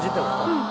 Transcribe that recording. うん。